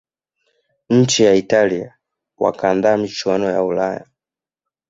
nchi ya italia wakaandaa michuano ya ulaya